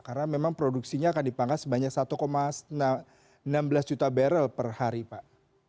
karena memang produksinya akan dipangkas sebanyak satu enam belas juta barrel per hari pak